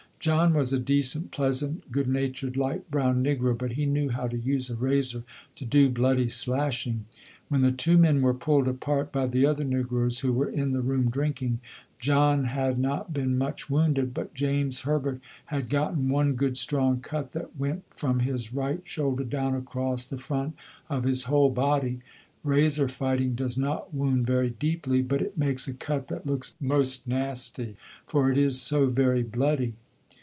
John was a decent, pleasant, good natured, light brown negro, but he knew how to use a razor to do bloody slashing. When the two men were pulled apart by the other negroes who were in the room drinking, John had not been much wounded but James Herbert had gotten one good strong cut that went from his right shoulder down across the front of his whole body. Razor fighting does not wound very deeply, but it makes a cut that looks most nasty, for it is so very bloody.